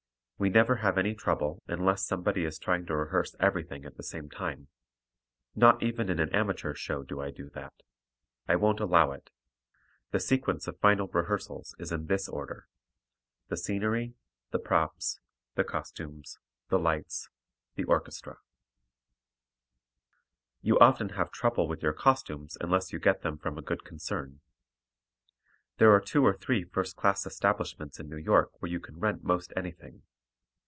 We never have any trouble unless somebody is trying to rehearse everything at the same time. Not even in an amateur show do I do that. I won't allow it. The sequence of final rehearsals is in this order; the scenery, the props, the costumes, the lights, the orchestra. You often have trouble with your costumes unless you get them from a good concern. There are two or three first class establishments in New York where you can rent most anything.